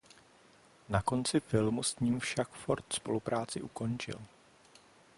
Na konci filmu s ním však Ford spolupráci ukončil.